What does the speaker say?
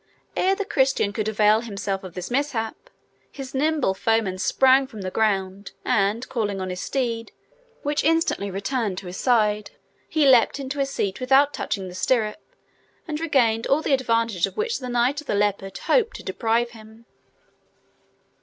Ere the Christian could avail himself of this mishap, his nimble foeman sprung from the ground, and, calling on his steed, which instantly returned to his side, he leaped into his seat without touching the stirrup, and regained all the advantage of which the Knight of the Leopard hoped to deprive him.